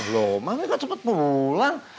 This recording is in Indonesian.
lho mami gak cepet pulang